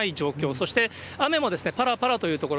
そして雨もぱらぱらというところ。